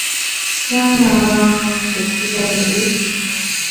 Born in East Granby, Connecticut, he attended the common schools.